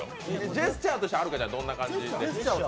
ジェスチャーとしてはるかちゃん、どんな感じ？